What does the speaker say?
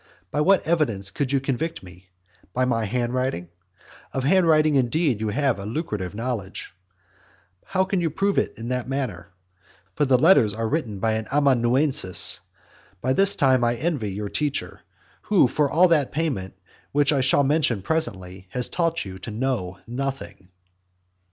By what evidence could you convict me? by my handwriting? Of handwriting indeed you have a lucrative knowledge. How can you prove it in that manner? for the letters are written by an amanuensis. By this time I envy your teacher, who for all that payment, which I shall mention presently, has taught you to know nothing.